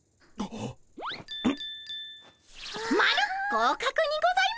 合格にございます。